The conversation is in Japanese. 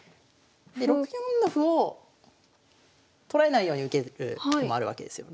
で６四の歩を取られないように受ける手もあるわけですよ